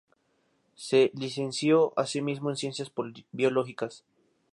Se licenció asimismo en Ciencias Biológicas.